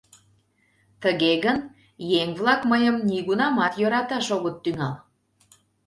Тыге гын, еҥ-влак мыйым нигунамат йӧраташ огыт тӱҥал.